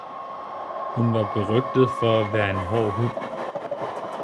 Hun var berygtet for at være en hård hund